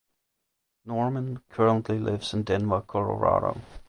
Norman currently lives in Denver Colorado.